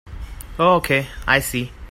Oh okay, I see.